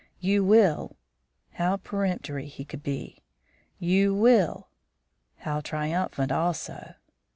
"You will?" How peremptory he could be. "You will?" How triumphant, also.